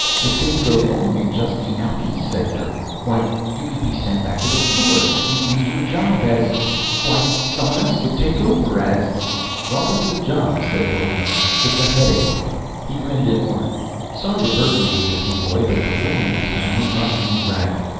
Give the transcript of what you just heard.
If things go wrong in just the Alkes sector ... why ... you could be sent back to the floor. You'd lose your job as ... why ... someone else could take over as " "Welcome to the job," said Bullone. "It's a headache." He grinned at Orne. "Sorry to burden you with this, m'boy, but the women of this family run me ragged.